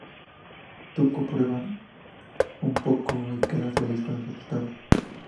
Tuco prueba un poco y queda feliz con el resultado.